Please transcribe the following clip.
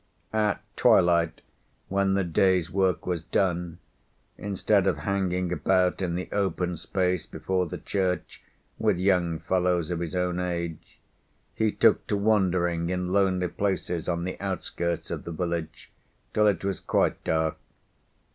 At twilight, when the day's work was done, instead of hanging about in the open space before the church with young fellows of his own age, he took to wandering in lonely places on the outskirts of the village till it was quite dark.